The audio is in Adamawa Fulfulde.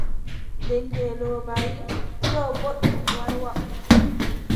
Nde ngeelooba wii :« yo, booɗɗum war waʼu. ».